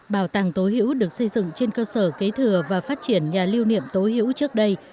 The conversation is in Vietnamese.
bảo tàng tố hữu được xây dựng trên cơ sở kế thừa và phát triển nhà lưu niệm tố hữu trước đây